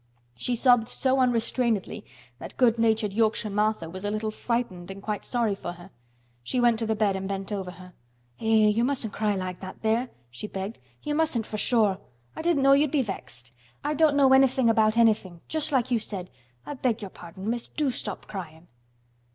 She sobbed so unrestrainedly that good natured Yorkshire Martha was a little frightened and quite sorry for her. She went to the bed and bent over her. "Eh! you mustn't cry like that there!" she begged. "You mustn't for sure. I didn't know you'd be vexed. I don't know anythin' about anythin'—just like you said. I beg your pardon, Miss. Do stop cryin'."